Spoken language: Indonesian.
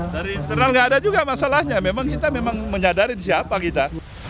dari internal nggak ada juga masalahnya memang kita memang menyadari siapa kita